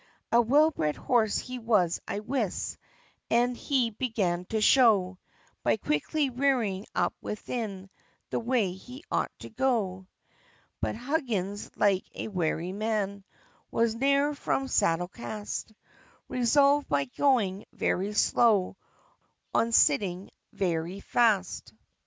A well bred horse he was, I wis, As he began to show, By quickly "rearing up within The way he ought to go." But Huggins, like a wary man, Was ne'er from saddle cast; Resolved, by going very slow, On sitting very fast.